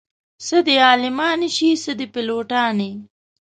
څه دې عالمانې شي څه دې پيلوټانې